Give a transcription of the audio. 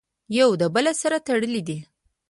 يو د بل سره تړلي دي!!.